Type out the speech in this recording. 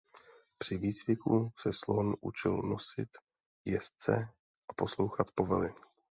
Při výcviku se slon učil nosit jezdce a poslouchat povely.